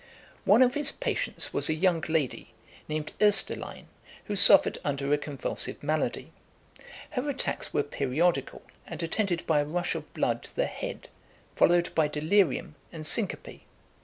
One of his patients was a young lady, named Oesterline, who suffered under a convulsive malady. Her attacks were periodical, and attended by a rush of blood to the head, followed by delirium and syncope.